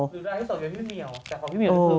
หรืออะไรที่ส่งอยู่กับพี่เมียว